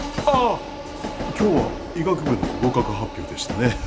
あぁ今日は医学部の合格発表でしたね。